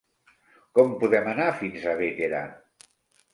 Com podem anar fins a Bétera?